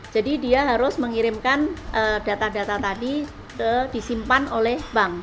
jadi dia harus mengirimkan data data tadi disimpan oleh bank